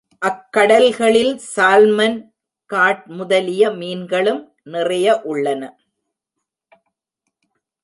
அக் கடல்களில் salmon, cod முதலிய மீன்களும் நிறைய உள்ளன.